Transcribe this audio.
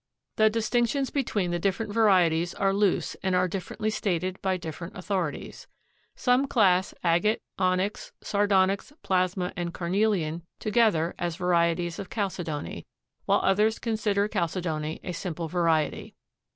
The distinctions between the different varieties are loose and are differently stated by different authorities. Some class agate, onyx, sardonyx, plasma and carnelian together as varieties of chalcedony, while others consider chalcedony a simple variety.